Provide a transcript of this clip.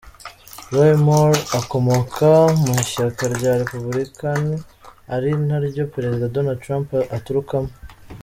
Roy Moore akomoka mu ishyaka ry’ Abarepubulikani ari naryo Perezida Donald Trump aturukamo.